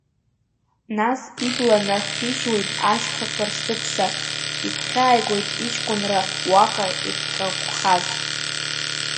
Нас ибла нахижьуеит ашьхақәа рсыԥса, игәхьааигоит иҷкәынра уаҟа икақәхаз.